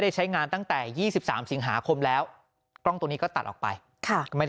ใช้งานตั้งแต่๒๓สิงหาคมแล้วกล้องตัวนี้ก็ตัดออกไปค่ะไม่ได้